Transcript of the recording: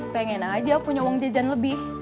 pengen aja punya uang jajan lebih